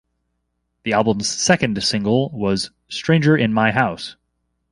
The album's second single was "Stranger in My House".